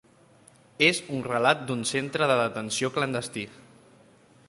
És un relat d'un centre de detenció clandestí.